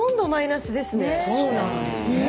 そうなんですね。